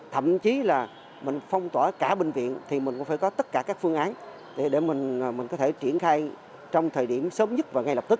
thậm chí là mình phong tỏa cả bệnh viện thì mình cũng phải có tất cả các phương án để mình có thể triển khai trong thời điểm sớm nhất và ngay lập tức